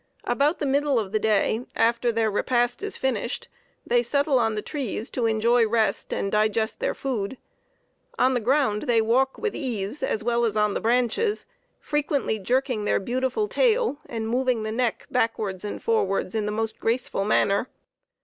About the middle of the day, after their repast is finished, they settle on the trees, to enjoy rest, and digest their food. On the ground they walk with ease, as well as on the branches, frequently jerking their beautiful tail, and moving the neck backwards and forwards in the most graceful manner.